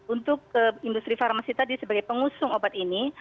untuk industri farmasi tadi sebagai pengusung obat ini